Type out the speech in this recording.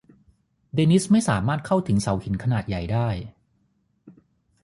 เดนนิสไม่สามารถเข้าถึงเสาหินขนาดใหญ่ได้